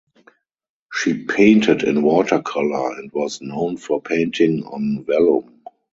She painted in watercolour and was known for painting on vellum.